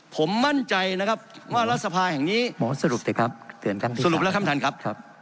ผมมั่นใจนะครับว่ารัฐสภาแห่งนี้สรุปและคำถันครับ